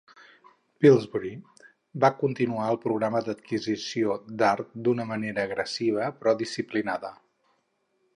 Pillsbury va continuar el programa d'adquisició d'art d'una manera agressiva però disciplinada.